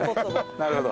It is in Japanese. なるほど。